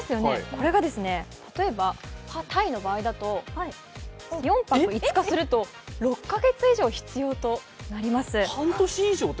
これがですね、タイの場合ですと４泊５日すると６か月以上必要になります。